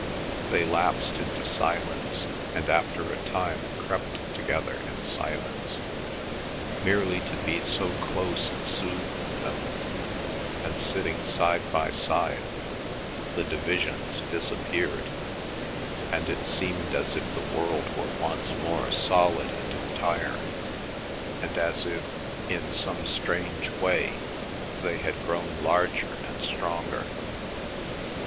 They lapsed into silence, and after a time crept together in silence. Merely to be so close soothed them, and sitting side by side the divisions disappeared, and it seemed as if the world were once more solid and entire, and as if, in some strange way, they had grown larger and stronger.